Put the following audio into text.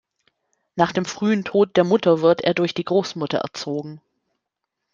Nach dem frühen Tod der Mutter wird er durch die Großmutter erzogen.